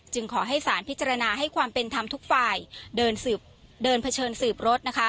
จึงขอให้สารพิจารณาให้ความเป็นทำทุกฝ่ายเดินเผชิญสืบรถ